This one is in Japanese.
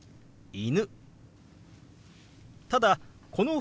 「犬」。